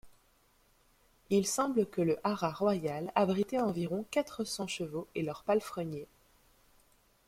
Il semble que le haras royal abritait environ quatre-cents chevaux et leurs palefreniers.